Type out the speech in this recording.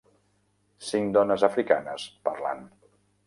Cinc dones africanes parlant